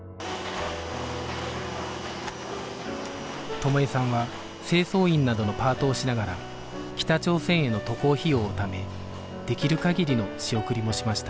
友枝さんは清掃員などのパートをしながら北朝鮮への渡航費用をためできる限りの仕送りもしました